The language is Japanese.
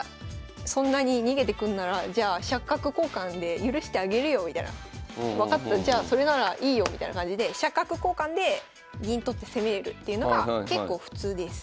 そんなに逃げてくんならじゃあ飛車角交換で許してあげるよみたいな分かったじゃあそれならいいよみたいな感じで飛車角交換で銀取って攻めるっていうのが結構普通です。